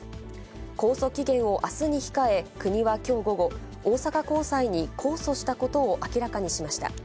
控訴期限をあすに控え、国はきょう午後、大阪高裁に控訴したことを明らかにしました。